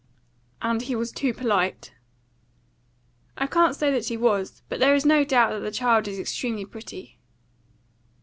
"And he was too polite." "I can't say that he was. But there is no doubt that the child is extremely pretty."